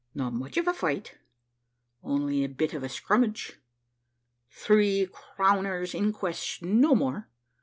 `Not much of a fight only a bit of a skrummage three crowner's inquests, no more.'